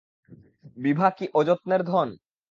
বিভা কি অযত্নের ধন।